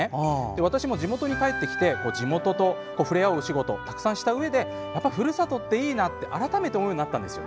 私も地元に帰ってきて地元と触れ合うお仕事をたくさんしたうえで、やっぱりふるさとっていいなって改めて思うようになりました。